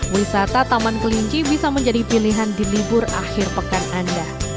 wisata taman kelinci bisa menjadi pilihan di libur akhir pekan anda